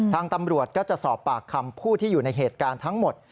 ทางตำรวจก็จะสอบปากคำผู้ที่อยู่ในเหตุการณ์ทั้งหมด